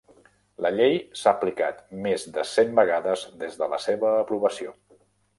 La Llei s'ha aplicat més de cent vegades des de la seva aprovació.